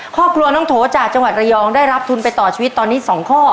ครอบครัวน้องโถจากจังหวัดระยองได้รับทุนไปต่อชีวิตตอนนี้๒ข้อ